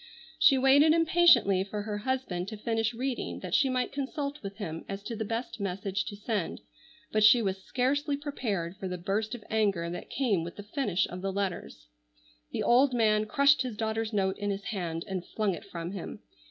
She waited impatiently for her husband to finish reading that she might consult with him as to the best message to send, but she was scarcely prepared for the burst of anger that came with the finish of the letters. The old man crushed his daughter's note in his hand and flung it from him.